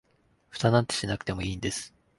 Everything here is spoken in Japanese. フタなんてしなくてもいいんです